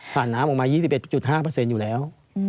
น้ำออกมา๒๑๕อยู่แล้ว